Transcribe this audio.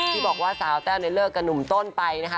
ที่บอกว่าสาวแต้วเนี่ยเลิกกับหนุ่มต้นไปนะคะ